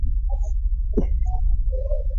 Some recipes used breadcrumbs to thicken the beverage.